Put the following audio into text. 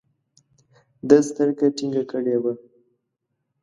ده سترګه ټينګه کړې وه.